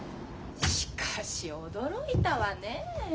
しかし驚いたわねえ。